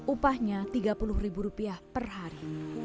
upahnya tiga puluh ribu rupiah per hari